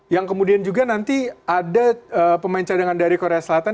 yang kemudian juga nanti ada pemain cadangan dari korea selatan